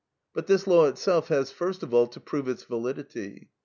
But this law itself has first of all to prove its validity.